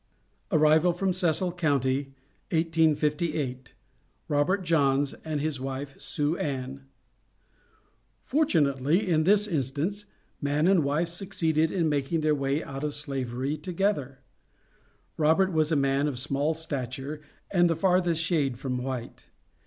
ARRIVAL FROM CECIL COUNTY, 1858. ROBERT JOHNS AND HIS WIFE "SUE ANN." Fortunately, in this instance, man and wife succeeded in making their way out of Slavery together. Robert was a man of small stature, and the farthest shade from white.